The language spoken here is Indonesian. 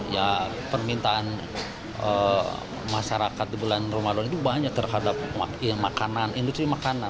ya permintaan masyarakat di bulan ramadan itu banyak terhadap makanan industri makanan